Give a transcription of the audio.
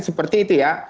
seperti itu ya